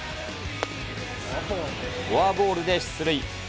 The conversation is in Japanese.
フォアボールで出塁。